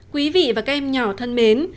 quý vị và các em nhỏ thân mến